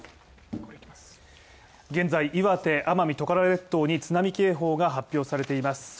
現在、岩手、奄美トカラ列島に津波警報が発表されています